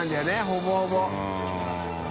ほぼほぼ。